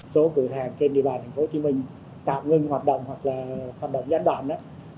số cửa hàng trên địa bàn tp hcm tạm ngưng hoạt động hoặc là hoạt động gián đoạn đó